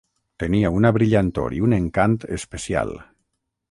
Tenia una brillantor i un encant especial.